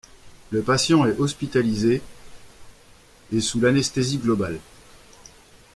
Le patient est hospitalisé et sous l'anesthésie globale.